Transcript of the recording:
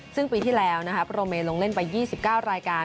ซึ่งปีที่แล้วโปรเมลงเล่นไป๒๙รายการ